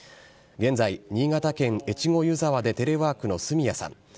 現在、新潟県越後湯沢でテレワークの角谷さん。